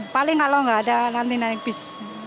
paling kalau nggak ada nanti naik bis